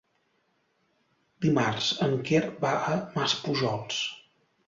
Dimarts en Quer va a Maspujols.